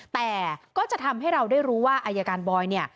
แต่ก็จะทำให้เราได้รู้ว่าอายการบอยเนี่ย